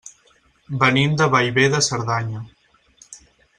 Venim de Bellver de Cerdanya.